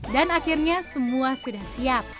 dan akhirnya semua sudah siap